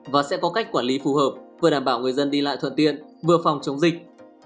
và sẽ có cách quản lý phù hợp vừa đảm bảo người dân đi lại thuận tiện vừa phòng chống dịch